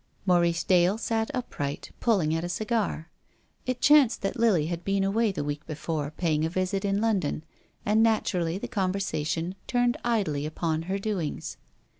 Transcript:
Maurice Dale sat upright, pulling at a cigar. It chanced that Lily had been away the week before, paying a visit in London, and natur ally the conversation turned idly upon her doings.